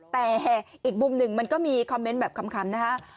แต่อีกมุมหนึ่งมันก็มีคอมเมนต์แบบคำนะฮะ